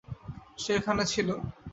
সে এখানে ছিল।